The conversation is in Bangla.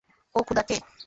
ওহ, খোদা, কে?